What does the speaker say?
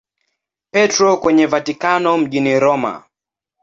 Petro kwenye Vatikano mjini Roma.